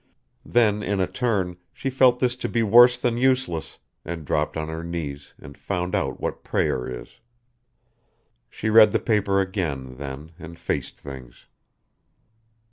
Then in a turn she felt this to be worse than useless and dropped on her knees and found out what prayer is. She read the paper again, then, and faced things.